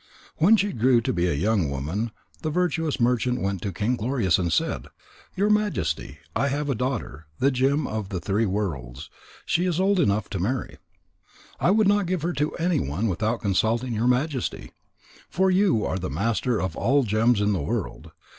When she grew to be a young woman, the virtuous merchant went to King Glorious and said: "Your Majesty, I have a daughter, the gem of the three worlds, and she is old enough to marry. I could not give her to anyone without consulting your Majesty. For you are the master of all gems in the world.